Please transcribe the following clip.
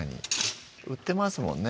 売ってますもんね